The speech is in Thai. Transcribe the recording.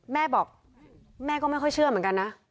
แม่บอกแม่ก็ไม่ค่อยเชื่อเหมือนกันนะ